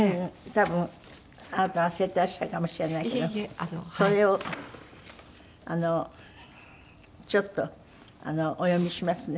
多分あなた忘れてらっしゃるかもしれないけどそれをあのちょっとお読みしますね。